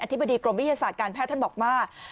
ธิบดีกรมวิทยาศาสตร์การแพทย์ท่านบอกว่า